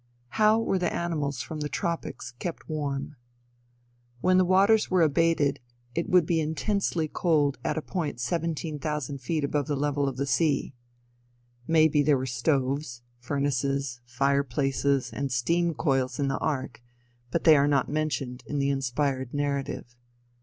How were the animals from the tropics kept warm? When the waters were abated it would be intensely cold at a point seventeen thousand feet above the level of the sea. May be there were stoves, furnaces, fire places and steam coils in the ark, but they are not mentioned in the inspired narrative.